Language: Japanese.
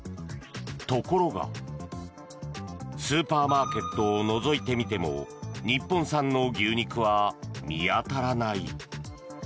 ところが、スーパーマーケットをのぞいてみても日本産の牛肉は見当たらない。